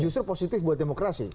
justru positif buat demokrasi